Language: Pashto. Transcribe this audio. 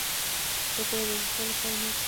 سپورت یوازې د ځغاستې لپاره نه دی.